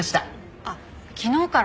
あっ昨日から？